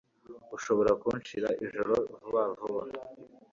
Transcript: Ushobora kunshira ijoro vuba vuba